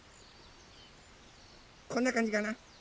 こんなかんじかな？